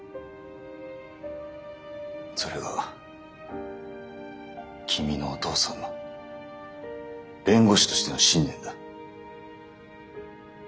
それが君のお父さんの弁護士としての信念だ。